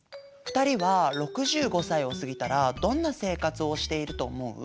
２人は６５歳を過ぎたらどんな生活をしていると思う？